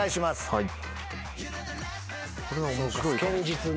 はい。